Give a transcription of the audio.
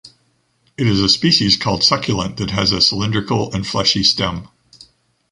It is a species called succulent that has a cylindrical and fleshy stem.